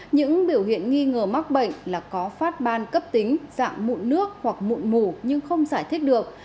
những biểu hiện nghi ngờ mắc bệnh là có phát ban cấp tính dạng mụn nước hoặc mụn mù nhưng không giải thích được